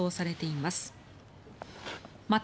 また、